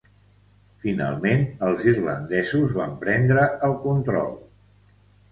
Finalment els irlandesos van prendre el control.